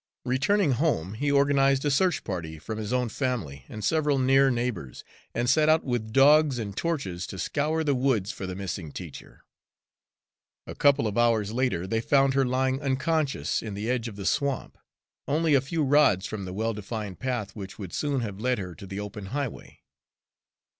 Returning home, he organized a search party from his own family and several near neighbors, and set out with dogs and torches to scour the woods for the missing teacher. A couple of hours later, they found her lying unconscious in the edge of the swamp, only a few rods from a well defined path which would soon have led her to the open highway.